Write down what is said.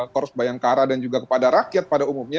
korps bayangkara dan juga kepada rakyat pada umumnya